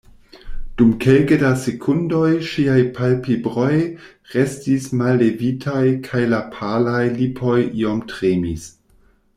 Dum kelke da sekundoj ŝiaj palpebroj restis mallevitaj kaj la palaj lipoj iom tremis.